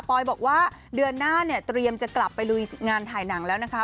อยบอกว่าเดือนหน้าเนี่ยเตรียมจะกลับไปลุยงานถ่ายหนังแล้วนะคะ